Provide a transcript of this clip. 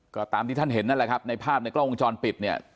ก็ตามที่ท่านเห็นนั่นแหละครับในภาพในกล้องวงจรปิดเนี่ย